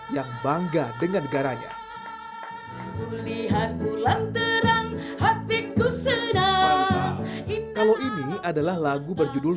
yang bangga dengan negaranya kulihat bulan terang hatiku senang kalau ini adalah lagu berjudul